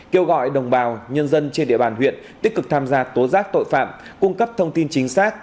kêu gọi đồng bào nhân dân trên địa bàn huyện tích cực tham gia tố giác tội phạm cung cấp thông tin chính xác